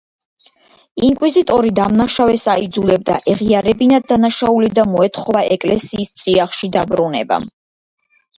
ინკვიზიტორი დამნაშავეს აიძულებდა, ეღიარებინა დანაშაული და მოეთხოვა ეკლესიის წიაღში დაბრუნება.